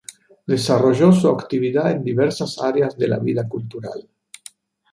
Desarrolló su actividad en diversas áreas de la vida cultural.